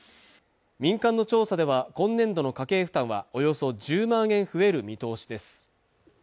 民間の調査では今年度の家計負担はおよそ１０万円増える見通しです